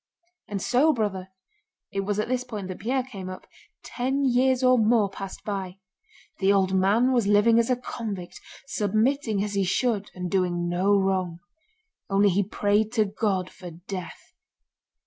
"And so, brother" (it was at this point that Pierre came up), "ten years or more passed by. The old man was living as a convict, submitting as he should and doing no wrong. Only he prayed to God for death.